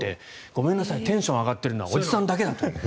ごめんなさいテンションが上がってるのはおじさんだけ。